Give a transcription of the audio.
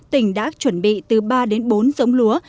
tỉnh đã chuẩn bị từ ba đến bốn giống lúa